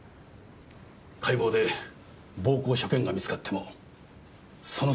解剖で暴行所見が見つかってもそのせいに出来る。